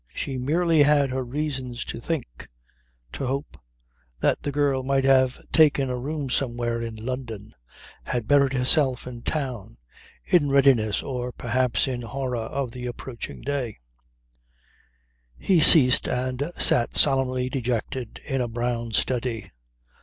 She merely had her reasons to think, to hope, that the girl might have taken a room somewhere in London, had buried herself in town in readiness or perhaps in horror of the approaching day He ceased and sat solemnly dejected, in a brown study.